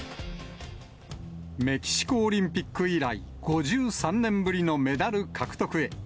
メキシコオリンピック以来、５３年ぶりのメダル獲得へ。